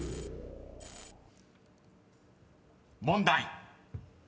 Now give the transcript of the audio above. ［問題］